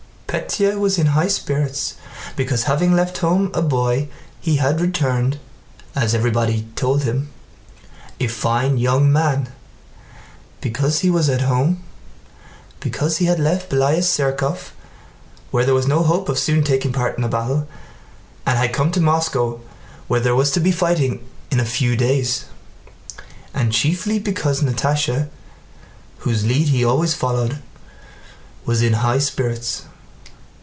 Pétya was in high spirits because having left home a boy he had returned (as everybody told him) a fine young man, because he was at home, because he had left Bélaya Tsérkov where there was no hope of soon taking part in a battle and had come to Moscow where there was to be fighting in a few days, and chiefly because Natásha, whose lead he always followed, was in high spirits.